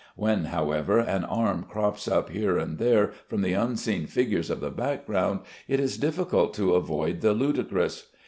When, however, an arm crops up here and there from the unseen figures of the background, it is difficult to avoid the ludicrous.